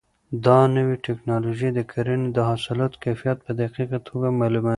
دا نوې ټیکنالوژي د کرنې د حاصلاتو کیفیت په دقیقه توګه معلوموي.